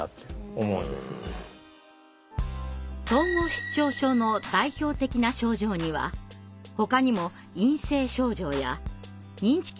統合失調症の代表的な症状にはほかにも陰性症状や認知機能障害などがあります。